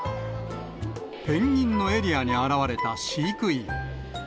ペンギンのエリアに現れた飼育員。